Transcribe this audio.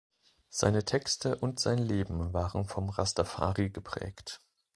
Seine Texte und sein Leben waren vom Rastafari geprägt.